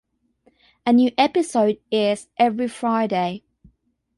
A new episode airs every Friday.